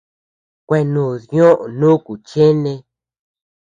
Kueanúd ñoʼö nuku cheene.